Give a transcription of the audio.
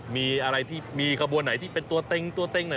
มีอะไรที่มีขบวนไหนที่เป็นตัวเต้งหน่อยไหม